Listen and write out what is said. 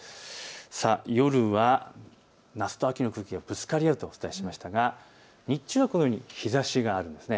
さあ夜は夏と秋の空気がぶつかり合うとお伝えしましたが日中はこのように日ざしがあります。